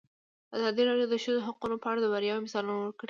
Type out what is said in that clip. ازادي راډیو د د ښځو حقونه په اړه د بریاوو مثالونه ورکړي.